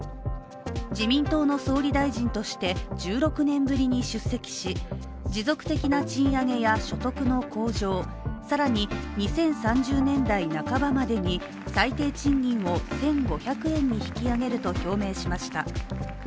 自民党の総理大臣として１６年ぶりに出席し持続的な賃上げや所得の向上、更に２０３０年代半ばまでに最低賃金を１５００円に引き上げると表明しました。